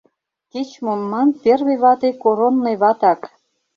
Кеч-мом ман, первый вате — коронной ватак!